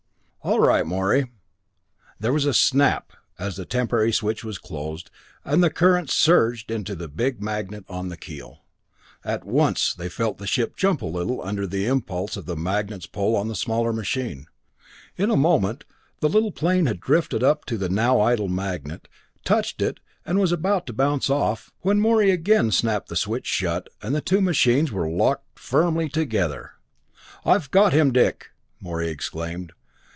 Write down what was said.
"All right, Morey." There was a snap, as the temporary switch was closed, and the current surged into the big magnet on the keel. At once they felt the ship jump a little under the impulse of the magnet's pull on the smaller machine. In a moment the little plane had drifted up to the now idle magnet, touched it and was about to bounce off, when Morey again snapped the switch shut and the two machines were locked firmly together! "I've got him, Dick!" Morey exclaimed.